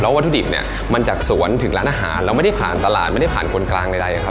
วัตถุดิบเนี่ยมันจากสวนถึงร้านอาหารแล้วไม่ได้ผ่านตลาดไม่ได้ผ่านคนกลางใดครับ